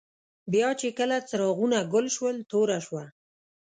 بیا چي کله څراغونه ګل شول، توره شوه.